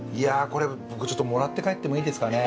これ僕ちょっともらって帰ってもいいですかね？